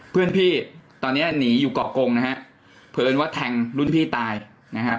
เพื่อนพี่ตอนเนี้ยหนีอยู่เกาะกงนะฮะเผินว่าแทงรุ่นพี่ตายนะครับ